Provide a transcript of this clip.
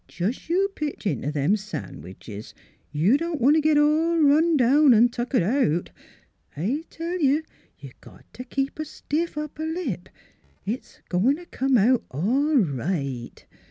jes' you pitch int' them sandwiches. Y' don't want t' git all run down an' tuckered out. I tell you, you got t' keep a stiff upper lip. It's a goin' t' come out all right."